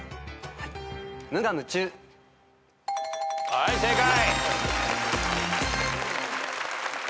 はい正解。